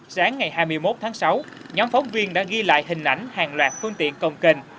sáng ngày hai mươi một tháng sáu nhóm phóng viên đã ghi lại hình ảnh hàng loạt phương tiện công kênh